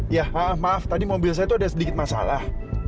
iya maaf tadi mobil saya tuh ada sedikit masalah